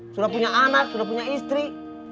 sudah punya anak sudah punya istri